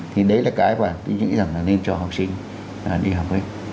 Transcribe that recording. thì đấy là cái mà tôi nghĩ rằng là nên cho học sinh đi học ấy